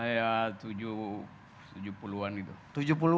ya tujuh puluh an gitu